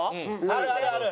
あるあるある。